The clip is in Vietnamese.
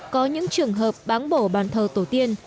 có những trường hợp bán bổ bàn thờ tổ tiên